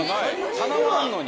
棚はあんのに。